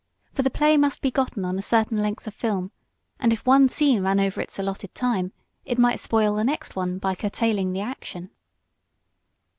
For the play must be gotten on a certain length of film, and if one scene ran over its allotted time it might spoil the next one by curtailing the action.